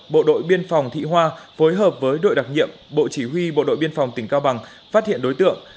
bộ đội biên phòng thị hoa phối hợp với đội đặc nhiệm bộ chỉ huy bộ đội biên phòng tỉnh cao bằng phát hiện đối tượng